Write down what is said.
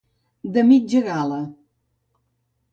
De mitja gala.